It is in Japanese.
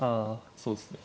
そうですね。